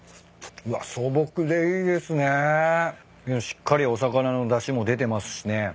しっかりお魚のだしも出てますしね。